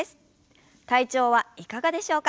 体調はいかがでしょうか？